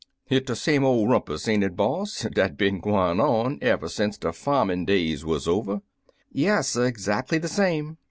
Hit de same ole rumpus, ain't it boss, dat bin gwine on ever sence de fa'min* days wuz over?*' "Yes; exactly the same."